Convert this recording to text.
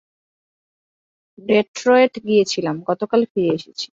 Detroit গিয়েছিলাম, গতকাল ফিরে এসেছি।